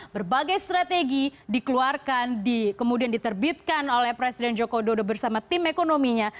berbagai strategi dikeluarkan kemudian diterbitkan oleh presiden joko dodo bersama tim ekonominya